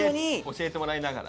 教えてもらいながら。